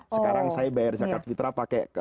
sekarang saya bayar zakat fitrah pakai